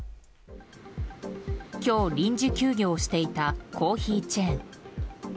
今日、臨時休業していたコーヒーチェーン。